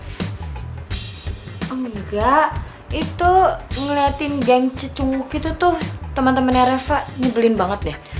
oh enggak itu ngeliatin geng cecungguk itu tuh temen temennya reva nyebelin banget deh